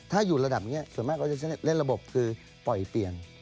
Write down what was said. ถ้าอยู่ระดับนี้ส่วนมากเขาจะเล่นระบบคือปล่อยเปลี่ยน